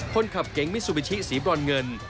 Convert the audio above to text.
คนขับเก๋งมิซูบิชิสีบรอนเงิน